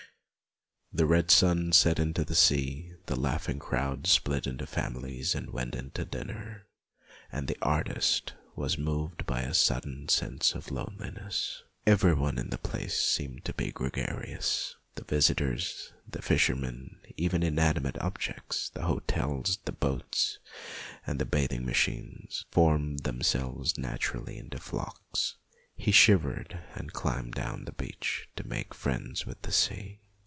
The red sun set into the sea, the laugh ing crowd split into families and went in to dinner, and the artist was moved by a sudden sense of loneliness. Every one in the place seemed to be gregarious. The visitors, the fishermen, even inanimate A SUMMER HOLIDAY 257 objects, the hotels, the boats, and the bathing machines, formed themselves naturally into flocks. He shivered and climbed down to the beach to make friends with the sea.